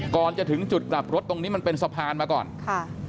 ก่อนจะถึงจุดกลับรถตรงนี้มันเป็นสะพานมาก่อนค่ะ